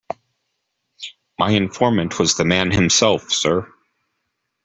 My informant was the man himself, sir.